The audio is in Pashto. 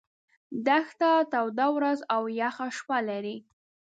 دښته توده ورځ او یخه شپه لري.